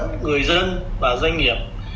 người dân và doanh nghiệp